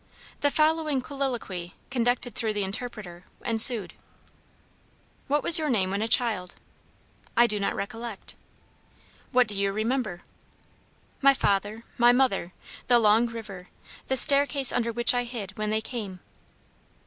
The following colloquy, conducted through the interpreter, ensued: "What was your name when a child?" "I do not recollect." "What do you remember?" "My father, my mother, the long river, the staircase under which I hid when they came."